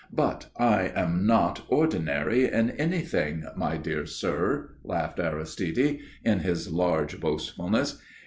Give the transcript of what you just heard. "But I am not ordinary in anything, my dear sir," laughed Aristide, in his large boastfulness.